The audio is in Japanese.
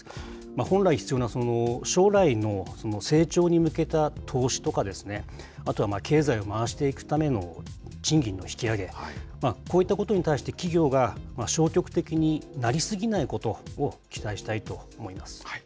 本来必要な将来の成長に向けた投資とか、あとは経済を回していくための賃金の引き上げ、こういったことに対して、企業が消極的になり過ぎないことを期待したいと思います。